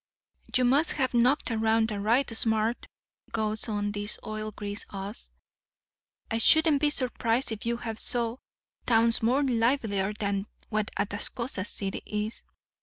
"'You must have knocked around a right smart,' goes on this oil Grease us. 'I shouldn't be surprised if you have saw towns more livelier than what Atascosa City is.